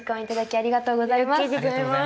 ありがとうございます。